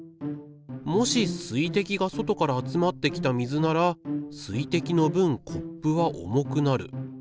もし水滴が外から集まってきた水なら水滴の分コップは重くなる。